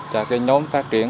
cho cái nhóm phát triển